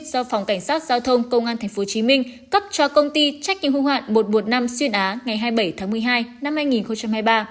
do phòng cảnh sát giao thông công an tp hcm cấp cho công ty trách nhiệm hưu hạn một trăm một mươi năm xuyên á ngày hai mươi bảy tháng một mươi hai năm hai nghìn hai mươi ba